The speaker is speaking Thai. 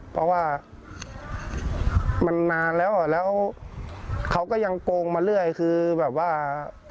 เพราะว่ามันนานแล้วแล้วเขาก็ยังโกงมาเรื่อยคือแบบว่า